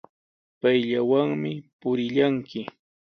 Payllawanmi purillanki.